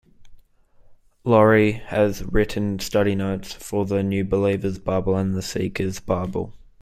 Laurie has written study notes for The New Believer's Bible and The Seeker's Bible.